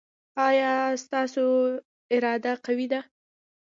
ایا ستاسو اراده قوي ده؟